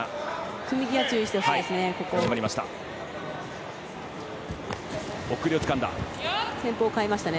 組み際注意してほしいですね。